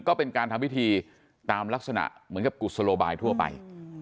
ก็เป็นการทำพิธีตามลักษณะเหมือนกับกุศโลบายทั่วไป